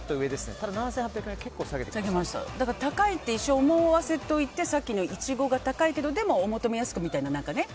ただ、７８００円からは高いと一瞬思わせておいてさっきのイチゴが高いけどでも、お求めやすくみたいな。